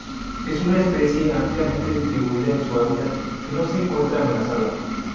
Es una especie ampliamente distribuida en sus hábitats que no se encuentra amenazada.